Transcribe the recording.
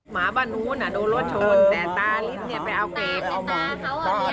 หมาบ้านโน้นโดนรถชนแต่ตาลิ้นไปเอาเกลียด